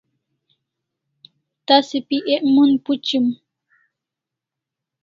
Tasa pi ek mon phuchim